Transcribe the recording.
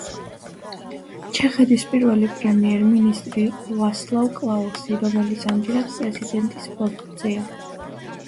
ჩეხეთის პირველი პრემიერ მინისტრი იყო ვასლავ კლაუსი, რომელიც ამჯერად პრეზიდენტის პოსტზეა.